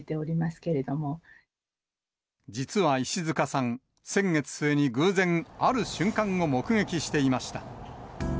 けれ実は石塚さん、先月末に偶然、ある瞬間を目撃していました。